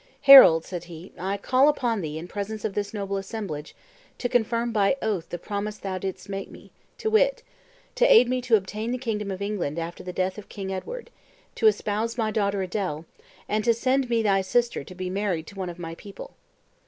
"Harold," said he, "I call upon thee, in presence of this noble assemblage, to confirm by oath the promises thou didst make me, to wit, to aid me to obtain the kingdom of England after the death of King Edward, to espouse my daughter Adele, and to send me thy sister to be married to one of my people."